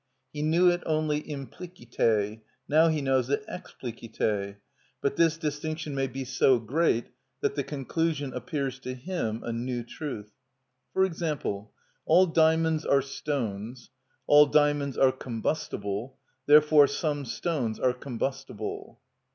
He knew it only implicite, now he knows it explicite; but this distinction may be so great that the conclusion appears to him a new truth. For example: All diamonds are stones; All diamonds are combustible: Therefore some stones are combustible.